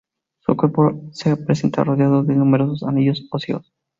Su cuerpo se presenta rodeado de numerosos anillos óseos.